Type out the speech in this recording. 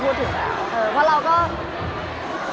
มันเป็นเรื่องน่ารักที่เวลาเจอกันเราต้องแซวอะไรอย่างเงี้ย